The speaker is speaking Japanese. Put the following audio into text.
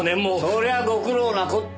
そりゃご苦労なこった。